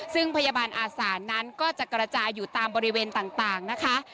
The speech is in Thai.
ซึ่งพยาบาลอาสานั้นก็จะกระจายอยู่ตามบริเวณต่างนะคะ